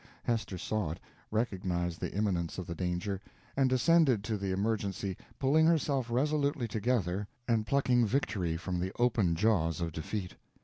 Hester saw it, recognized the imminence of the danger, and descended to the emergency, pulling herself resolutely together and plucking victory from the open jaws of defeat.